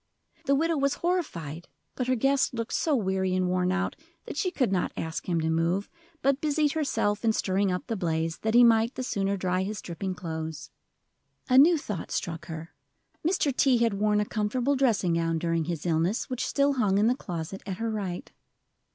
The widow was horrified, but her guest looked so weary and worn out that she could not ask him to move, but busied herself in stirring up the blaze that he might the sooner dry his dripping clothes. A new thought struck her: Mr. T. had worn a comfortable dressing gown during his illness, which still hung in the closet at her right.